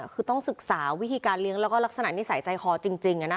คือต้องศึกษาวิธีการเลี้ยงแล้วก็ลักษณะนิสัยใจคอจริง